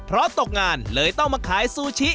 เพราะตกงานเลยต้องมาขายซูชิ